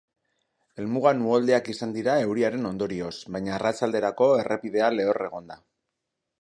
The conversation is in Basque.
Helmugan uholdeak izan dira euriaren ondorioz, baina arratsalderako errepidea lehor egon da.